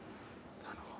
なるほど。